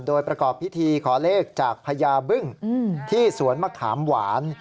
โดยประกอบพิธีขอเลขจากพญาบึ้งที่สวนมะขามหวาน